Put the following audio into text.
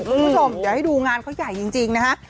คุณผู้ชมเดี๋ยวให้ดูงานเขาใหญ่จริงนะฮะ